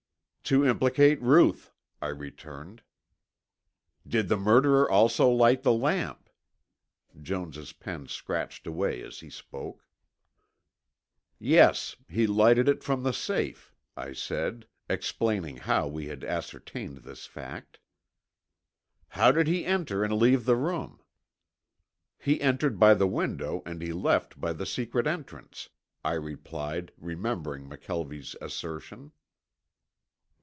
"To implicate Ruth," I returned. "Did the murderer also light the lamp?" Jones' pen scratched away as he spoke. "Yes. He lighted it from the safe," I said, explaining how we had ascertained this fact. "How did he enter and leave the room?" "He entered by the window and he left by the secret entrance," I replied, remembering McKelvie's assertion.